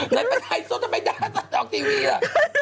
นายไปไทยสดทำไมน่าสัตว์ออกทีวีล่ะ